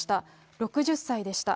６０歳でした。